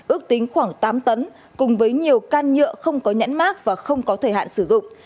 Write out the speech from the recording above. ước tính khoảng tám tấn cùng với nhiều can nhựa không có nhãn mát và không có thời hạn sử dụng